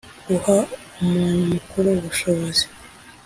guha umuntu mukuru ubushobozi